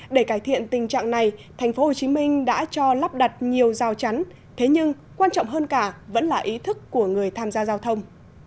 để cải thiện tình trạng này tp hcm đã cho lắp đặt nhiều rào chắn thế nhưng quan trọng hơn cả vẫn là ý thức của người tham gia giao thông